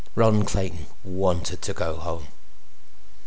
Ron Clayton wanted to go home.